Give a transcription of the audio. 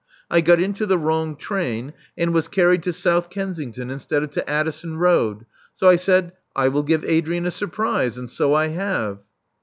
I got into the wrong train, and was carried to South Kensington instead of to Addison Road. So I said, *I will give Adrian a surprise.* And so I have.